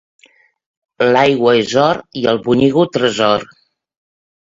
L'aigua és or i el bonyigo tresor.